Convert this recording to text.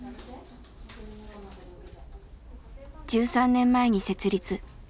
１３年前に設立。